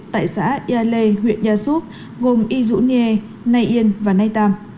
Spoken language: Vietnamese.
tại xã yai lê huyện nha xúc gồm y dũ niê nay yên và nay tam